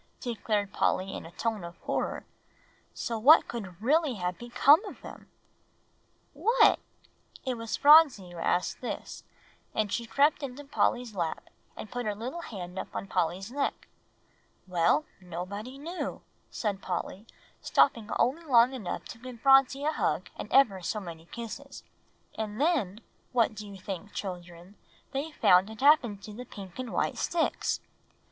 declared Polly in a tone of horror "so what could really have become of them?" "What?" It was Phronsie who asked this, and she crept into Polly's lap, and put her little hand up on Polly's neck. [Illustration: She crept into Polly's lap, and put her little hand up on her neck.] "Well, nobody knew," said Polly, stopping only long enough to give Phronsie a hug and ever so many kisses. "And then, what do you think, children, they found had happened to the pink and white sticks?"